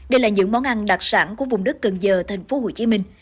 đây là những món ăn đặc sản của vùng đất cần giờ thành phố hồ chí minh